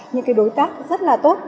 những đối tác rất là tốt